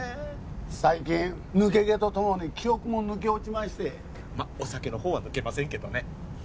最近抜け毛とともに記憶も抜け落ちましてまっお酒のほうは抜けませんけどね